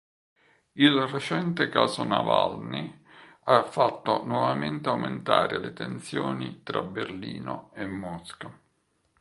Il recente caso Naval'nyj ha fatto nuovamente aumentare le tensioni tra Berlino e Mosca.